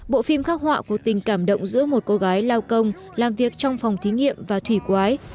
bộ phim khắc họa của tình cảm động giữa một cô gái lao công làm việc trong phòng thí nghiệm và thủy quái